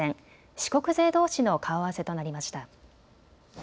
四国勢どうしの顔合わせとなりました。